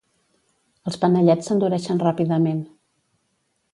Els panellets s'endureixen ràpidament.